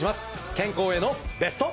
健康へのベスト。